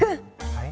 はい？